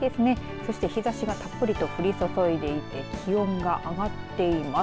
そして日ざしがたっぷりと降り注いでいて気温が上がっています。